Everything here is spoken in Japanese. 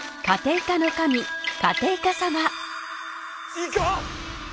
イカ！？